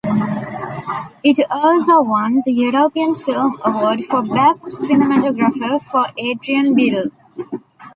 It also won the European Film Award for Best Cinematographer for Adrian Biddle.